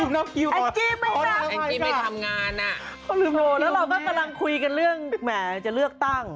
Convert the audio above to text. คุณอังจิครับอังจิไม่ทำงานอ่ะแล้วเราก็กำลังคุยกันเรื่องแหม่จะเลือกตั้ง